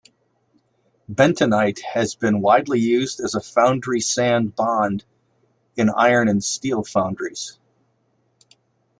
Bentonite has been widely used as a foundry-sand bond in iron and steel foundries.